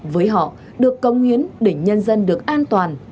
với họ được công hiến để nhân dân được an toàn